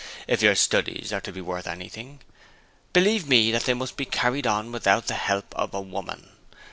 If your studies are to be worth anything, believe me they must be carried on without the help of a woman.